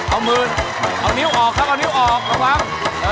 เอามือเอานิ้วออกครับเอานิ้วออกระวัง